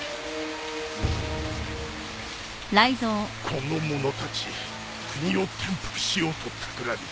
この者たち国を転覆しようとたくらみ